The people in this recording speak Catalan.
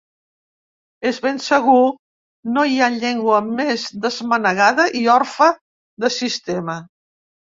És ben segur no hi ha llengua més desmanegada i orfe de sistema